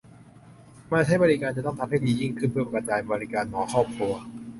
มาใช้บริการจะต้องทำให้ดียิ่งขึ้นเพื่อกระจายบริการหมอครอบครัว